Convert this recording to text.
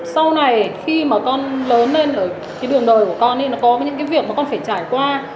sau này khi mà con lớn lên rồi cái đường đời của con thì nó có những cái việc mà con phải trải qua